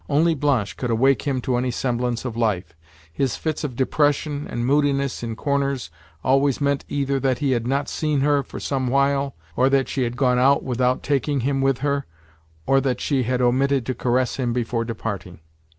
Only Blanche could awake him to any semblance of life. His fits of depression and moodiness in corners always meant either that he had not seen her for some while, or that she had gone out without taking him with her, or that she had omitted to caress him before departing.